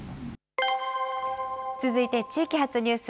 続いて地域発ニュース。